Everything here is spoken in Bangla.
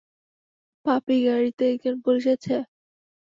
পাপি, গাড়িতে একজন পুলিশ আছে?